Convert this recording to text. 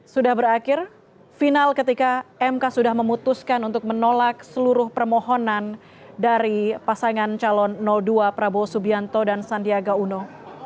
sudah berakhir final ketika mk sudah memutuskan untuk menolak seluruh permohonan dari pasangan calon dua prabowo subianto dan sandiaga uno